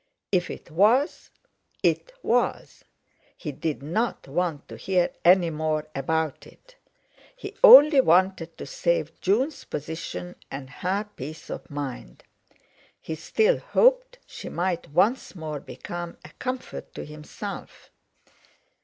If it was, it was; he did not want to hear any more about it—he only wanted to save Jun's position and her peace of mind. He still hoped she might once more become a comfort to himself.